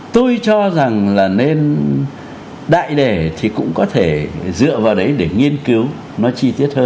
tôi cho rằng là nên đại đề thì cũng có thể dựa vào đấy để nghiên cứu nó chi tiết hơn